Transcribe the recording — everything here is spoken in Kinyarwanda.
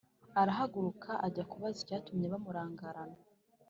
Arahaguruka aja kubaza icyatumye bamurangarana.